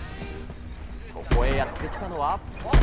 そこへやって来たのは。